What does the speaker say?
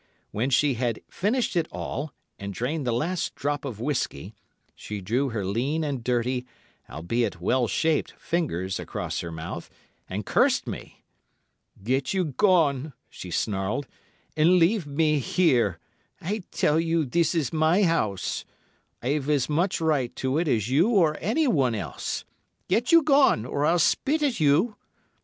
When she had finished it all, and drained the last drop of whiskey, she drew her lean and dirty, albeit well shaped, fingers across her mouth, and cursed me. "Get you gone," she snarled, "and leave me here. I tell you this is my house. I've as much right to it as you or anyone else. Get you gone, or I'll spit at you."